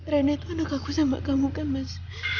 renek itu anak aku sama kamu kan mas